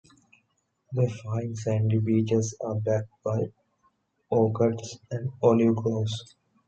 The fine sandy beaches are backed by orchards and olive groves.